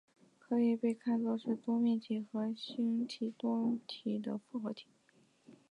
这可以被看作是多面体和星形多面体的复合体。